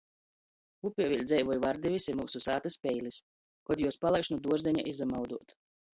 Upē vēļ dzeivoj vardivis i myusu sātys peilis, kod juos palaiž nu duorzeņa izamauduot.